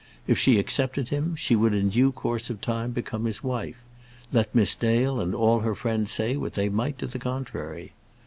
If she accepted him she would in due course of time become his wife, let Miss Dale and all her friends say what they might to the contrary.